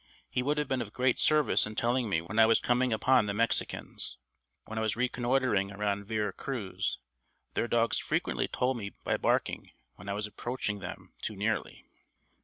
He would have been of great service in telling me when I was coming upon the Mexicans. When I was reconnoitering around Vera Cruz, their dogs frequently told me by barking when I was approaching them too nearly.